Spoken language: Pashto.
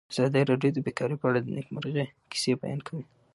ازادي راډیو د بیکاري په اړه د نېکمرغۍ کیسې بیان کړې.